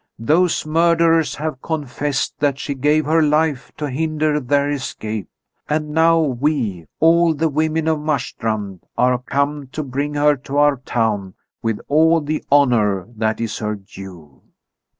Those murderers have confessed that she gave her life to hinder their escape, and now we, all the women of Marstrand, are come to bring her to our town with all the honour that is her due."